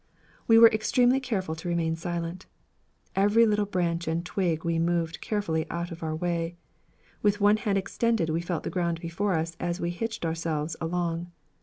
We were extremely careful to remain silent. Every little branch and twig we moved carefully out of our way; with one hand extended we felt of the ground before us as we hitched ourselves along.